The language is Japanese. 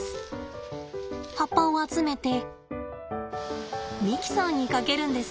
葉っぱを集めてミキサーにかけるんです。